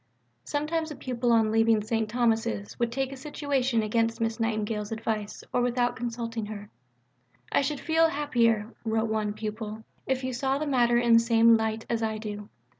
Sometimes a pupil on leaving St. Thomas's would take a situation against Miss Nightingale's advice or without consulting her. "I should feel happier," wrote one pupil, "if you saw the matter in the same light as I do."